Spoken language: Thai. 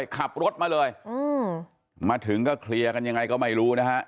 ขับรถมาเลยมาถึงก็เคลียร์กันยังไงก็ไม่รู้นะฮะ